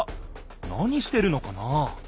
何してるのかな？